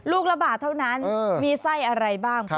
ลูกละบาทเท่านั้นมีไส้อะไรบ้าง